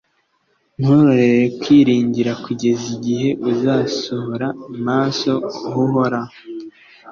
nturorere kwiringira, kugez’ igihe uzasohora, maso huhoraho